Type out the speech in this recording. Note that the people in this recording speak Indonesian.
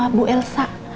saya sudah tahu elsa